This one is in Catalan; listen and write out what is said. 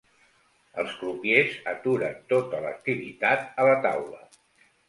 Els crupiers aturen tota l'activitat a la taula.